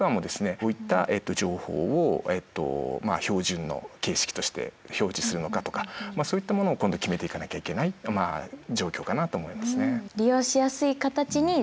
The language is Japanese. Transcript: こういった情報を標準の形式として表示するのかとかそういったものを今度決めていかなきゃいけない状況かなと思いますね。